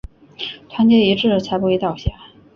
团结一致才不会倒下